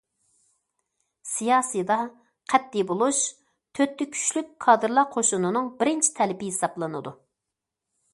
سىياسىيدا قەتئىي بولۇش« تۆتتە كۈچلۈك» كادىرلار قوشۇنىنىڭ بىرىنچى تەلىپى ھېسابلىنىدۇ.